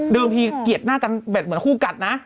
เดินทีเกียจหน้ากันเหมือนคู่กัดนะ